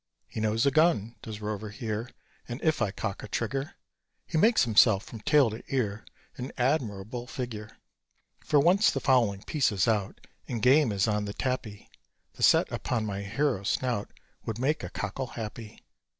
He knows a gun, does Rover here; And if I cock a trigger, He makes himself from tail to ear An admirable figure. For, once the fowling piece is out, And game is on the tapis, The set upon my hero's snout Would make a cockle happy.